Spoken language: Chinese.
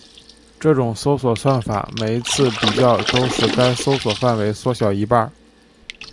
这种搜索算法每一次比较都使搜索范围缩小一半。